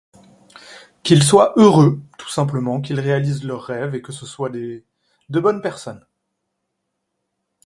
Qu'ils soient heureux tout simplement, qu'ils réalisent leurs rêves et que ce soient de bonnes personnes.